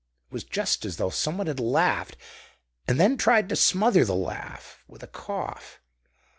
It was just as though someone had laughed and then tried to smother the laugh with a cough.